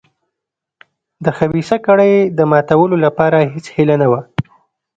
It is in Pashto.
د خبیثه کړۍ د ماتولو لپاره هېڅ هیله نه وه.